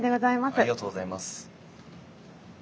ありがとうございます。